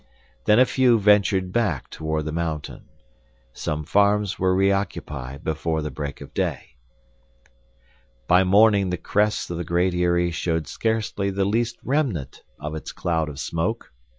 Then a few ventured back toward the mountain. Some farms were reoccupied before the break of day. By morning the crests of the Great Eyrie showed scarcely the least remnant of its cloud of smoke.